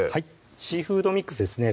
シーフードミックスですね